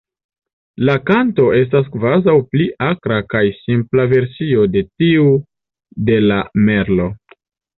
La kanto estas kvazaŭ pli akra kaj simpla versio de tiu de la Merlo.